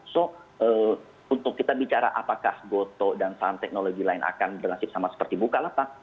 so untuk kita bicara apakah gotoh dan saham teknologi lain akan bernasib sama seperti bukalapak